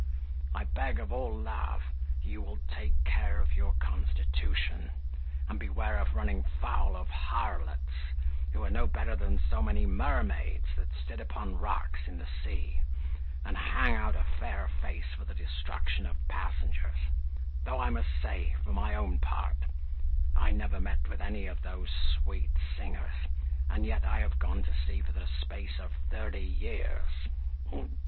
I beg, of all love, you wool take care of your constitution, and beware of running foul of harlots, who are no better than so many mermaids, that sit upon rocks in the sea, and hang out a fair face for the destruction of passengers; thof I must say, for my own part, I never met with any of those sweet singers, and yet I have gone to sea for the space of thirty years.